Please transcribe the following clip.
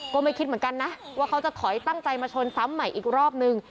ก็ไม่คิดเหมือนกันนะว่าเขาจะถอยตั้งใจมาชนซ้ำใหม่อีกรอบนึง